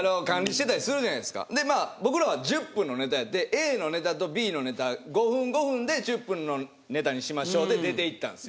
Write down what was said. まあ僕らは１０分のネタやってＡのネタとＢのネタ。のネタにしましょうで出ていったんですよ。